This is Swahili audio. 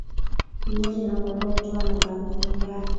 Mbuzi na kondoo hutoa harufu mbaya